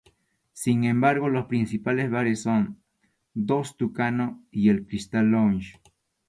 Sin embargo los principales bares son "Il Tucano" y el "Cristal Lounge".